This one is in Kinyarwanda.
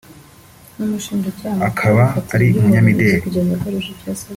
akaba ari umunyamideli